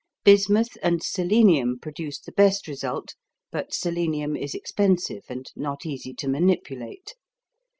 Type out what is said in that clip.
Bismuth and selenium produce the best result, but selenium is expensive and not easy to manipulate.